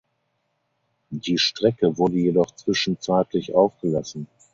Die Strecke wurde jedoch zwischenzeitlich aufgelassen.